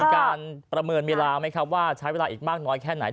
การประเมินเวลาไหมครับว่าใช้เวลาอีกมากน้อยแค่ไหน